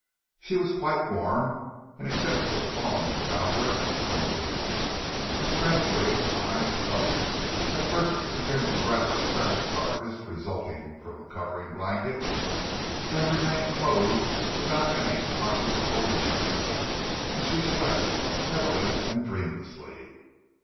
She was quite warm, and except for the thongs about her, comfortable, and presently her eyes closed, at first against the rather oppressive darkness resulting from the covering blanket, then remained closed without any conscious volition, and she slept, heavily and dreamlessly.